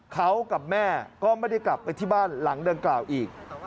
เขากับแม่ก็ไม่ได้กลับไปที่บ้านหลังดังกล่าวอีก